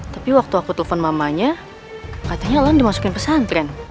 tapi waktu aku telpon mamanya katanya elang dimasukin pesantren